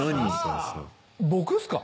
僕っすか？